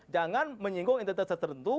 jangan menyinggung internet tertentu